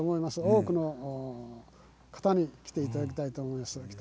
多くの方に来ていただきたいと思います。